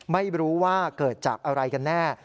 ไม่รู้ว่าเกิดจากอะไรกันแน่